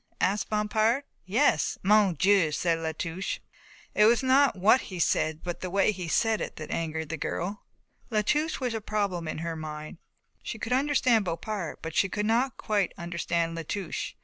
asked Bompard. "Yes." "Mon Dieu!" said La Touche. It was not what he said but the way he said it that angered the girl. La Touche was a problem in her mind. She could understand Bompard but she could not quite understand La Touche.